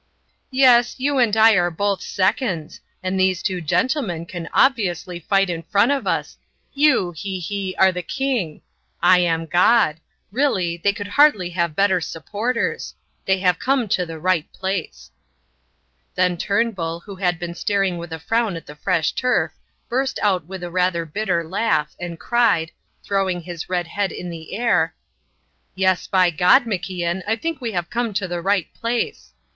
"Yes, you and I are both seconds and these two gentlemen can obviously fight in front of us. You, he he, are the king. I am God; really, they could hardly have better supporters. They have come to the right place." Then Turnbull, who had been staring with a frown at the fresh turf, burst out with a rather bitter laugh and cried, throwing his red head in the air: "Yes, by God, MacIan, I think we have come to the right place!"